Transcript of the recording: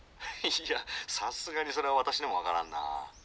「いやさすがにそれは私でも分からんなあ」。